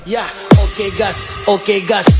ya oke gas oke gas